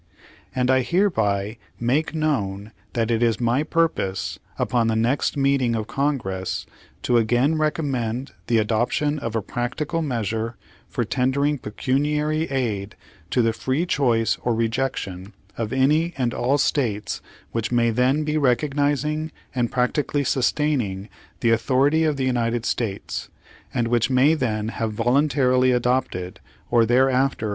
"And I hereby make known that it is my purpose, upon the next meeting of Congress to again recommend the adoption of a practical measure for tendering pecuniary aid to the free choice or rejection of any and all States which may then be recognizing and practically sustaining the authority of the United States, and which may then have voluntarily adopted, or thereafter m.